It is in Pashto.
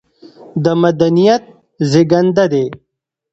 د مدنيت زېږنده دى